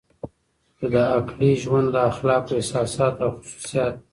چې د عقلې ژوند د اخلاقو احساسات او خصوصیات